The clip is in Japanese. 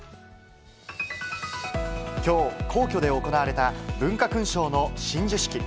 きょう、皇居で行われた文化勲章の親授式。